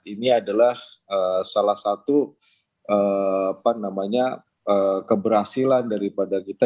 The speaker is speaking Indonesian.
ini adalah salah satu keberhasilan daripada kita